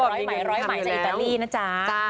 ร้อยใหม่ร้อยใหม่จากอิตาลีนะจ๊ะ